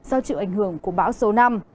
do chịu ảnh hưởng của bão số năm